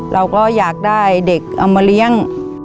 เราก็อยากได้เด็กเอามาเลี้ยง